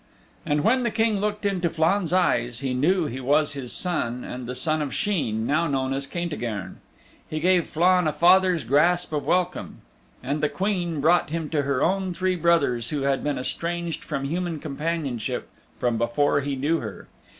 And when the King looked into Flann's eyes he knew he was his son and the son of Sheen, now known as Caintigern. He gave Flann a father's clasp of welcome. And the queen brought him to her own three brothers who had been estranged from human companionship from before he knew her.